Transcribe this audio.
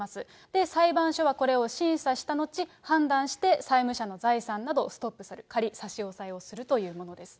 で、裁判所はこれを審査したのち、判断して債務者の財産などストップする、仮差し押さえをするというものです。